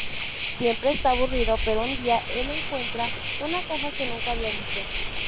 Siempre está aburrido, pero un día el encuentra una caja que nunca había visto.